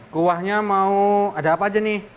kuahnya mau ada apa aja nih